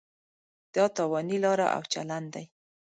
دا تاواني لاره او چلن دی.